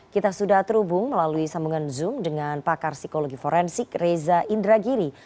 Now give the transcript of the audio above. kita sudah terhubung melalui sambungan zoom dengan pakar psikologi forensik reza indragiri